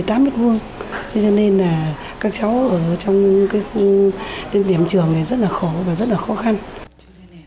thế cho nên là các cháu ở trong cái điểm trường này rất là khổ và rất là khó khăn